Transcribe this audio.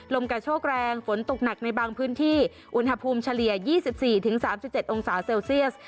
กระโชกแรงฝนตกหนักในบางพื้นที่อุณหภูมิเฉลี่ย๒๔๓๗องศาเซลเซียส